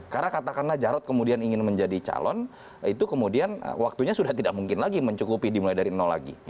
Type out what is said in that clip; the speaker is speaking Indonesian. karena katakanlah jarod kemudian ingin menjadi calon itu kemudian waktunya sudah tidak mungkin lagi mencukupi dimulai dari nol lagi